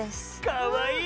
かわいい！